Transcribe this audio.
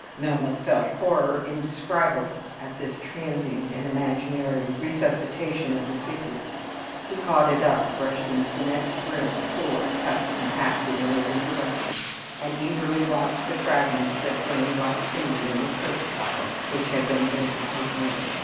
Melmoth felt horror indescribable at this transient and imaginary resuscitation of the figure. He caught it up, rushed into the next room, tore, cut, and hacked it in every direction, and eagerly watched the fragments that burned like tinder in the turf fire which had been lit in his room.